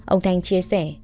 ông thanh chia sẻ